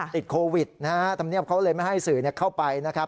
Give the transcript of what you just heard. ติดโควิดนะฮะธรรมเนียบเขาเลยไม่ให้สื่อเข้าไปนะครับ